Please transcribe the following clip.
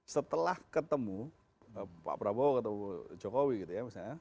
setelah ketemu pak prabowo ketemu jokowi gitu ya misalnya